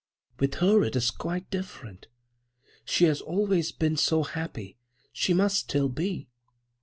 With her it is quite different. She has always been so happy—she must still be."